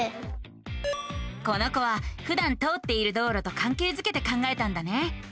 この子はふだん通っている道路とかんけいづけて考えたんだね。